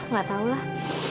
gak tau lah